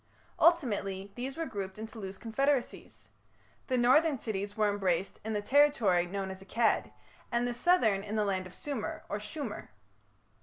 Ultimately these were grouped into loose confederacies. The northern cities were embraced in the territory known as Akkad, and the southern in the land of Sumer, or Shumer.